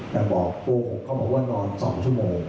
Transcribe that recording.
แต่บอกปูเขาบอกว่านอน๒ชั่วโมง